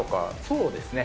「そうですね」